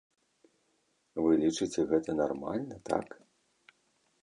Вы лічыце гэта нармальна, так?